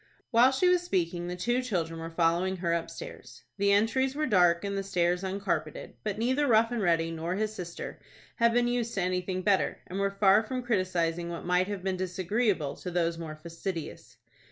While she was speaking, the two children were following her upstairs. The entries were dark, and the stairs uncarpeted, but neither Rough and Ready nor his sister had been used to anything better, and were far from criticising what might have been disagreeable to those more fastidious.